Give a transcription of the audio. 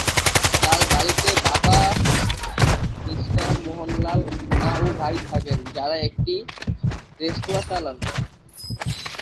তার বাড়িতে বাবা মিঃ মোহনলাল, মা ও ভাই থাকেন যারা একটি রেস্তোরা চালান।